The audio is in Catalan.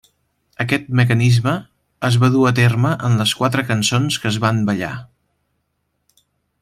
Aquest mecanisme es va dur a terme en les quatre cançons que es van ballar.